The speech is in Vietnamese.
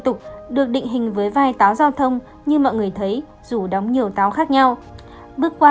tục được định hình với vai táo giao thông như mọi người thấy dù đóng nhiều táo khác nhau bước qua